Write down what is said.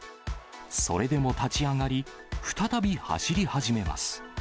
それでも立ち上がり、再び走り始めます。